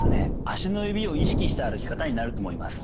足の指を意識した歩き方になると思います。